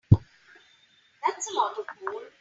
That's a lot of gold.